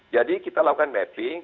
jadi kita lakukan mapping